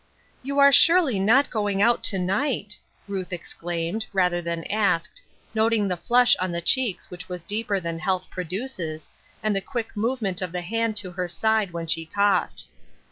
" You are surely not going out to night !" Ruth exclaimed, rather than asked, noting the flush on the cheeks which was deeper than health produces, and the quick movement of the hand to her side when she coughed.